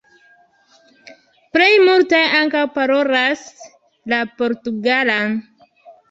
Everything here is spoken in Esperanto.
Plej multaj ankaŭ parolas la portugalan.